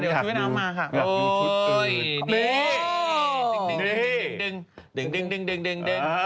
อยากดูชุดอื่น